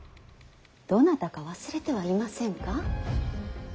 どなたか忘れてはいませんか。